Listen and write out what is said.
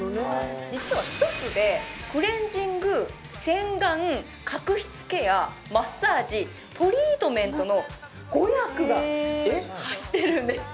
実は１つでクレンジング洗顔角質ケアマッサージトリートメントの５役が入ってるんです